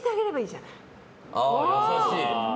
優しい。